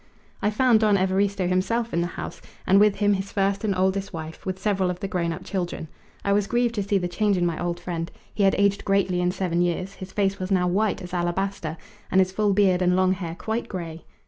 I found Don Evaristo himself in the house, and with him his first and oldest wife, with several of the grown up children. I was grieved to see the change in my old friend; he had aged greatly in seven years; his face was now white as alabaster, and his full beard and long hair quite grey.